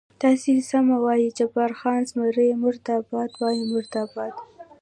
تاسې سمه وایئ، جبار خان: زمري مرده باد، وایم مرده باد.